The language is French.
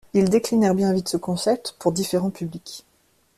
Ils déclinèrent bien vite ce concept pour différents publics.